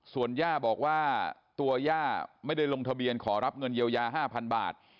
ส่วนย่าบอกว่าตัวย่าไม่ได้ลงทะเบียนขอรับเงินเยียวยา๕๐๐บาท